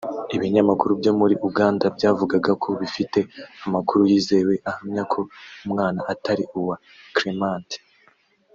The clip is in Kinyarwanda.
Ibinyamakuru byo muri Uganda byavugaga ko bifite amakuru yizewe ahamya ko umwana atari uwa Clemet